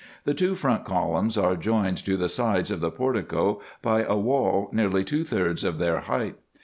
The two front columns are joined to the sides of the portico by a wall nearly two thirds of their height.